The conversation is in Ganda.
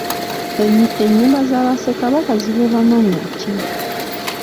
Enyumba za Bassekabaka ziweebwa mannya ki?